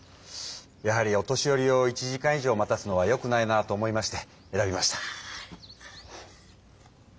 やはりお年寄りを１時間以上待たすのはよくないなと思いまして選びました。